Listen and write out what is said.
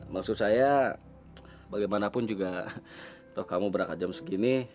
maksud saya bagaimanapun juga tau kamu berapa jam segini